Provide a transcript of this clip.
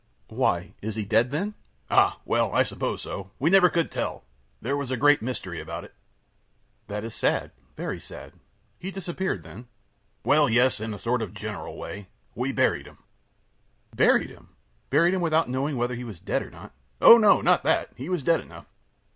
Q. Why? Is he dead, then? A. Ah! well, I suppose so. We never could tell. There was a great mystery about it. Q. That is sad, very sad. He disappeared, then? A. Well, yes, in a sort of general way. We buried him Q. Buried him! Buried him, without knowing whether he was dead or not? A. Oh, no! Not that. He was dead enough.